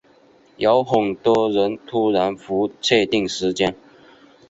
有很多人突然不确定时间